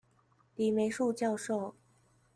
李梅樹教授